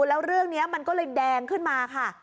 แล้วเรื่องนี้มันก็เลยแดงขึ้นมาค่ะ